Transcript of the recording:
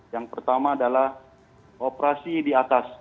yang pertama adalah operasi di atas